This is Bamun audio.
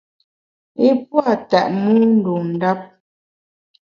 I pua’ tètmu ndun ndap.